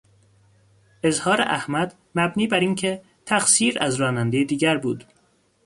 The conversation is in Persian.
اظهار احمد مبنی براینکه تقصیر از رانندهی دیگر بود